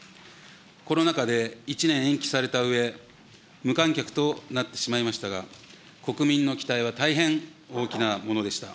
コロナ禍で１年延期されたうえ、無観客となってしまいましたが、国民の期待は大変大きなものでした。